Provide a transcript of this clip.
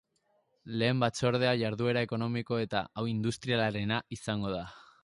Lehen batzordea jarduera ekonomikoa eta industrialarena izango da.